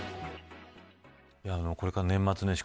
これから年末年始